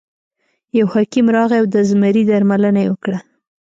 یو حکیم راغی او د زمري درملنه یې وکړه.